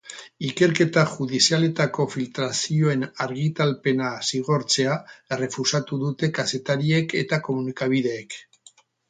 Ikerketa judizialetako filtrazioen argitalpena zigortzea errefusatu dute kazetariek eta komunikabideek.